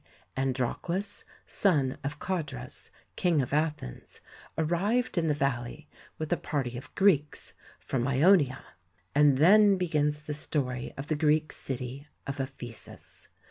Androclus, son of Codrus, King of Athens, arrived in the valley with a party of Greeks from Ionia, and then begins the story of the Greek city of Ephesus.